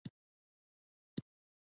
رقیب زما د فکر د پرمختګ وسیله ده